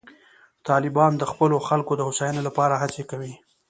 طالبان د خپلو خلکو د هوساینې لپاره هڅې کوي.